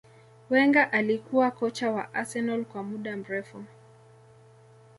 Wenger alikuwa kocha wa arsenal kwa muda mrefu